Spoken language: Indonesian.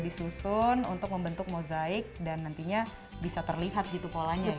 disusun untuk membentuk mozaik dan nantinya bisa terlihat gitu polanya ya